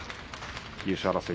優勝争い